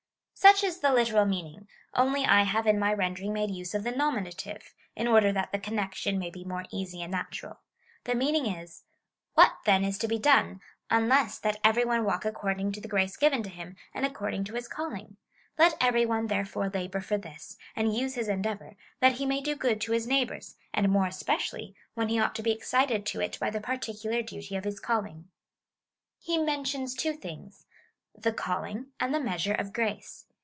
Such is the literal meaning : only I have in my rendering made use of the nominative,^ in order that the connection may be more easy and natural. The meaning is :" What, then, is to be done, unless^ that every one walk ac cording to the grace given to him, and according to his call ing ? Let every one, therefore, labour for this, and use his endeavour, that he may do good to his neighbours, and, more especially, when he ought to be excited to it by the particular duty of his callin^^ He mentions two things — the calling, and the measure of^race.